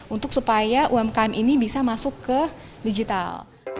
umkm ini bisa masuk ke digital